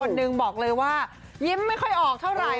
หนึ่งบอกเลยว่ายิ้มไม่ค่อยออกเท่าไหร่